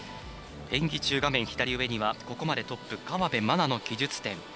演技中、画面左上にはここまでトップ河辺愛菜の技術点。